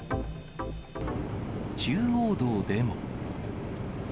中央道でも。